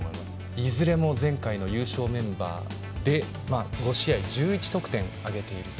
いずれも前回の優勝メンバーで５試合１１得点挙げていると。